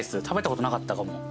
食べたことなかったかも。